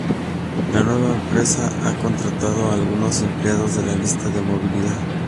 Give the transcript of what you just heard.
La nueva Empresa ha contratado a algunos empleados de la lista de movilidad.